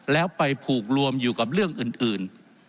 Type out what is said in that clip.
แล้วไปผูกรวมอยู่กับเรื่องอื่น